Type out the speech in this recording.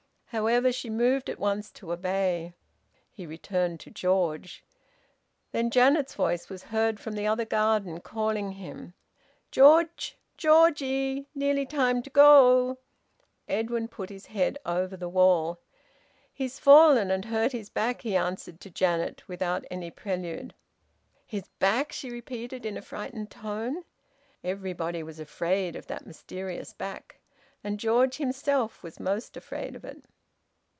However, she moved at once to obey. He returned to George. Then Janet's voice was heard from the other garden, calling him: "George! Georgie! Nearly time to go!" Edwin put his head over the wall. "He's fallen and hurt his back," he answered to Janet, without any prelude. "His back!" she repeated in a frightened tone. Everybody was afraid of that mysterious back. And George himself was most afraid of it.